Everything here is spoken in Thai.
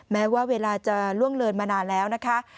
แม้ว่าเวลาจะล่วงเลินมานานแล้วนะคะ